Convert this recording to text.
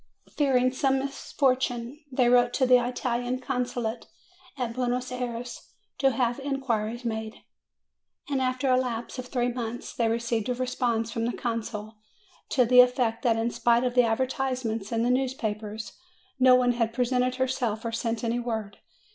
Fearing some misfortune, they wrote to the Italian Consulate at Buenos Ayres to have inquiries made, and after a lapse of three months they received a response from the consul, to the effect that in spite of advertisements in the news 256 MAY papers no one had presented herself or sent any word.